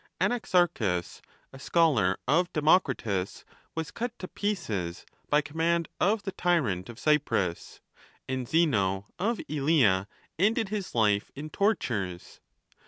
Anaxarchus,' a scholar of Democritus, was cut to pieces by command of the tyrant of Cyprus ; and Zeno of Elea" ended his life in tortures.